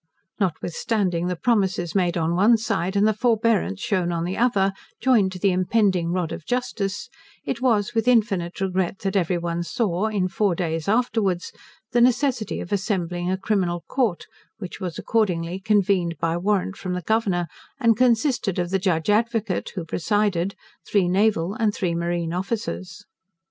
Notwithstanding the promises made on one side, and the forbearance shewn on the other, joined to the impending rod of justice, it was with infinite regret that every one saw, in four clays afterwards, the necessity of assembling a Criminal Court, which was accordingly convened by warrant from the Governor, and consisted of the judge Advocate, who presided, three naval, and three marine officers.